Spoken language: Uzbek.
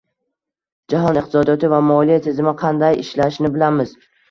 Jahon iqtisodiyoti va moliya tizimi qanday ishlashini bilamiz